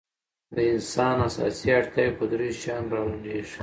د انسان اساسي اړتیاوې په درېو شیانو رالنډېږي.